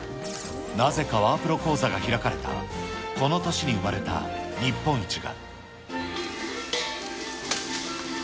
なぜかワープロ講座が開かれた、この年に生まれた日本一が。